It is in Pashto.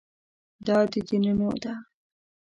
دا د دینونو ده.